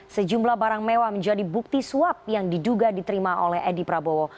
sejumlah barang mewah menjadi bukti suap yang diduga diterima oleh edi prabowo